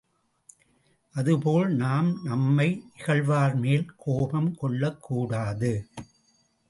அதுபோல் நாம் நம்மை இகழ்வார் மேல் கோபம் கொள்ளக் கூடாது.